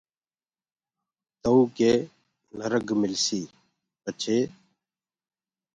تئوٚ ڪي نرگ ملسيٚ۔ پڇي